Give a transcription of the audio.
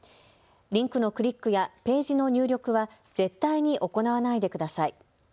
リンクのクリックやページの入力は絶対に行わないでください。